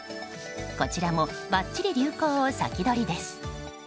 こちらも、ばっちり流行を先取りです。